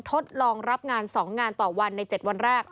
ทดลองรับงาน๒งานต่อวันใน๗วันแรก